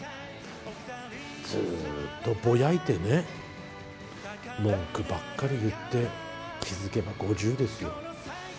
ずっとぼやいてね、文句ばっかり言って、気付けば５０ですよ。